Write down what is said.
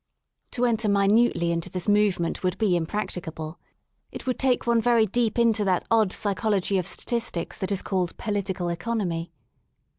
To enter minutely into this movement would be impracticable. It would take one very deep into that odd psychology of statistics that is called Political Economy.